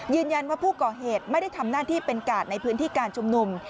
ว่าผู้ก่อเหตุไม่ได้ทำหน้าที่เป็นกาดในพื้นที่การชุมนุม